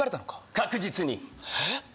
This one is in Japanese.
確実にえっ？